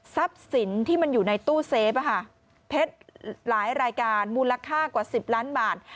สินที่มันอยู่ในตู้เซฟเพชรหลายรายการมูลค่ากว่า๑๐ล้านบาท